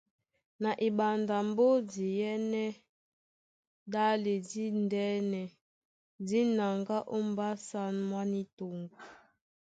Na eɓanda a mbódi é ɛ́nɛ́ ɗále díndɛ́nɛ dí naŋgá ó mbásǎn mwá ní toŋgo.